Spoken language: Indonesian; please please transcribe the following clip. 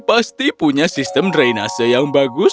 pasti punya sistem drainase yang bagus